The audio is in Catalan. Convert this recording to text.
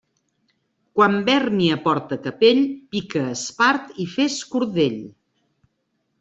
Quan Bèrnia porta capell, pica espart i fes cordell.